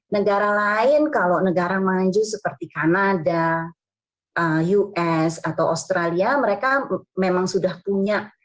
negara lain kalau negara maju seperti kanada us atau australia mereka memang sudah punya